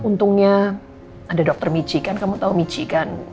untungnya ada dokter michi kan kamu tahu michi kan